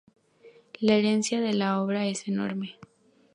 La herencia de la obra es enorme.